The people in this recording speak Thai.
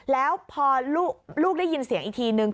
แล้วพอลูกได้ยินเสียงอีกทีนึง